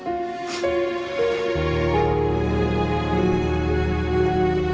saya sudah selesai